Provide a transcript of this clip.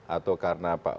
atau karena pak prabowo